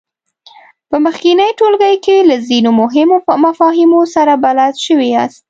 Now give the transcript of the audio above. په مخکېني ټولګي کې له ځینو مهمو مفاهیمو سره بلد شوي یاست.